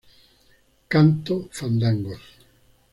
canto fandangos